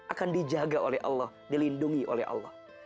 akan dijaga oleh allah dilindungi oleh allah